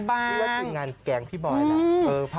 นี่ก็คืองานแกล้งพี่บอยล่ะ